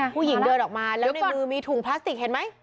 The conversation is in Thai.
เดินออกมาแล้วในมือมีถุงพลาสติกเห็นไหม